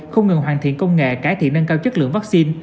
không ngừng hoàn thiện công nghệ cải thiện nâng cao chất lượng vaccine